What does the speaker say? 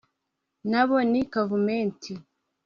na bo ni kavumenti,